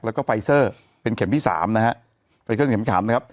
แล้วก็ไฟเซอร์เป็นเข็มที่๓นะฮะเป็นเครื่องเข็มที่๓นะครับ